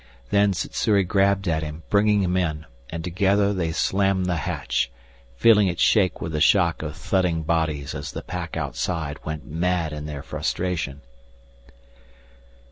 Then Sssuri grabbed at him, bringing him in, and together they slammed the hatch, feeling it shake with the shock of thudding bodies as the pack outside went mad in their frustration.